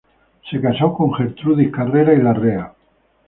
Se casó con Gertrudis Carrera y Larrea.